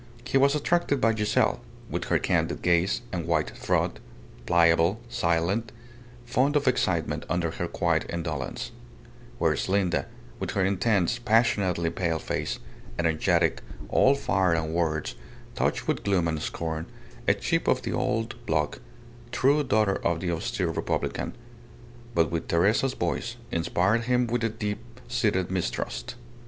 He was attracted by Giselle, with her candid gaze and white throat, pliable, silent, fond of excitement under her quiet indolence; whereas Linda, with her intense, passionately pale face, energetic, all fire and words, touched with gloom and scorn, a chip of the old block, true daughter of the austere republican, but with Teresa's voice, inspired him with a deep seated mistrust.